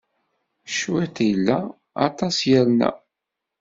Cwiṭ illa, aṭas irna.